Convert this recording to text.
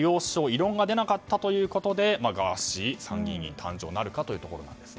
異論は出なかったということでガーシー参議院誕生なるかというところです。